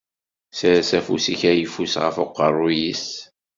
Sers afus-ik ayeffus ɣef uqerru-s.